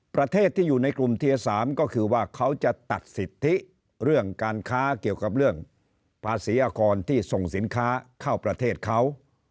ประเทศที่อยู่ในกลุ่มเทียร์๓ก็คือว่าเขาจะตัดสิทธิเรื่องการค้าเกี่ยวกับเรื่องภาษีอากรที่ส่งสินค้าเข้าประเทศเขา